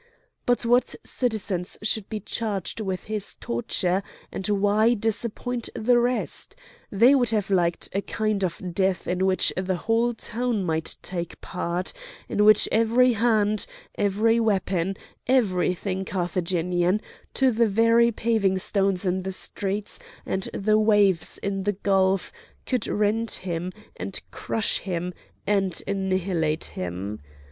But what citizens should be charged with his torture, and why disappoint the rest? They would have liked a kind of death in which the whole town might take part, in which every hand, every weapon, everything Carthaginian, to the very paving stones in the streets and the waves in the gulf, could rend him, and crush him, and annihilate him.